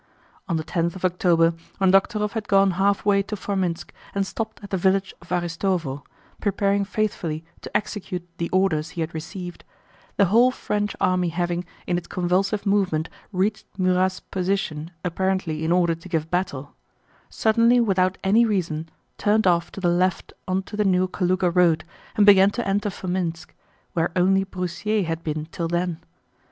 On the tenth of October when Dokhtúrov had gone halfway to Formínsk and stopped at the village of Aristóvo, preparing faithfully to execute the orders he had received, the whole French army having, in its convulsive movement, reached Murat's position apparently in order to give battle—suddenly without any reason turned off to the left onto the new Kalúga road and began to enter Formínsk, where only Broussier had been till then.